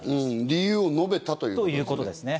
理由を述べたということですね。